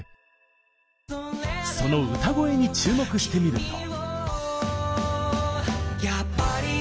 その歌声に注目してみると。